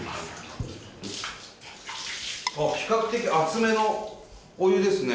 比較的熱めのお湯ですね。